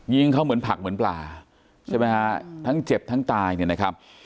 ยิงเขาเหมือนผักเหมือนปลาใช่ไหมฮะทั้งเจ็บทั้งตายเนี่ยนะครับ